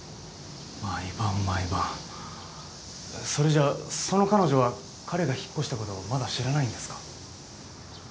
それじゃその彼女は彼が引っ越したことをまだ知らないんですか？